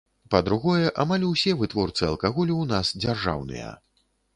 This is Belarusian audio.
Па-другое, амаль усе вытворцы алкаголю ў нас дзяржаўныя.